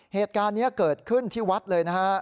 เหตุการณ์นี้เกิดขึ้นที่วัดเลยนะฮะ